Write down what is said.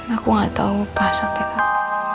aku gak tau pas sampai kapan